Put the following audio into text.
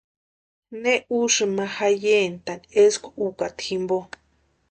¿Nena úsïni ma jayentani eskwa ukata jimpo?